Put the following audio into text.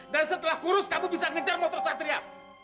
dan setelah kurus kamu bisa ngejar motor satria